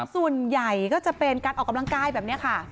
ส่วนใหญ่ก็จะเป็นการออกกำลังกายแบบนี้ค่ะ